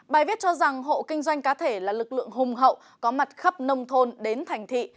bài viết cho rằng hộ kinh doanh cá thể là lực lượng hùng hậu có mặt khắp nông thôn đến thành thị